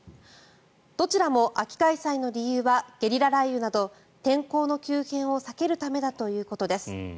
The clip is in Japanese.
どちらも秋開催の理由はゲリラ雷雨など天候の急変を避けるためだということです。